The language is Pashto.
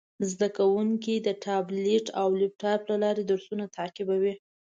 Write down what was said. زده کوونکي د ټابلیټ او لپټاپ له لارې درسونه تعقیبوي.